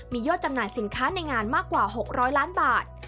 มียอดจำหน่ายสินค้าในงานมากกว่า๖๐๐ล้านบาท